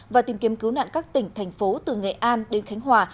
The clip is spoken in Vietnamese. và tìm kiếm cứu nạn các tỉnh thành phố từ nghệ an đến khánh hòa